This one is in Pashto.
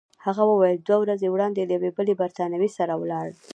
هغه وویل: دوه ورځې وړاندي له یوې بلې بریتانوۍ سره ولاړه.